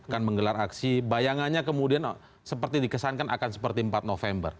akan menggelar aksi bayangannya kemudian seperti dikesankan akan seperti empat november